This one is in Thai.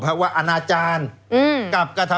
แล้วเขาก็ใช้วิธีการเหมือนกับในการ์ตูน